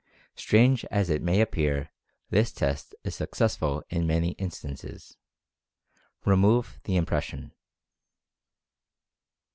Strange as it may appear this test is successful in many instances. Remove the impression.